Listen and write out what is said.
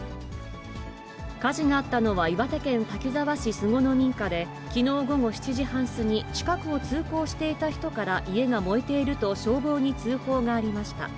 火事があったのは、岩手県滝沢市巣子の民家で、きのう午後７時半過ぎ、近くを通行していた人から、家が燃えていると消防に通報がありました。